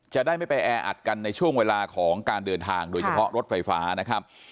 จะได้ไม่ไปแออัดกันในช่วงเวลาของการเดินทางโดยเฉพาะรถไฟฟ้านะครับ